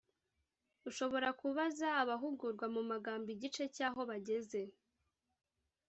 ushobora kubaza abahugurwa mu magambo igice cy’aho bageze